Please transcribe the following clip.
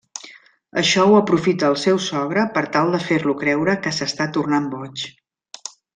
Això ho aprofita el seu sogre per tal de fer-lo creure que s'està tornant boig.